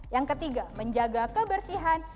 yang ketiga menjaga kebersihan